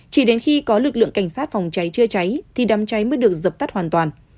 chỉ đến khi có lực lượng cảnh sát phòng cháy chữa cháy thì đám cháy mới được dập tắt hoàn toàn